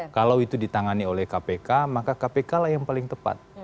kalau itu ditangani oleh kpk maka kpk lah yang paling tepat